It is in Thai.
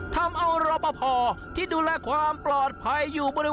ทำเอารอปภที่ดูแลความปลอดภัยอยู่บริเวณ